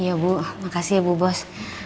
ya bu makasih ya bu bos